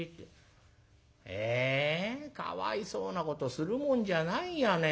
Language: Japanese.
「えかわいそうなことするもんじゃないやね。